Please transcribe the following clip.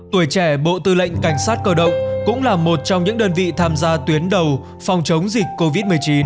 tuổi trẻ bộ tư lệnh cảnh sát cơ động cũng là một trong những đơn vị tham gia tuyến đầu phòng chống dịch covid một mươi chín